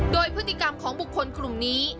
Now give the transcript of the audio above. โดยพฤติกรรมของบุคคลกลุ่มนี้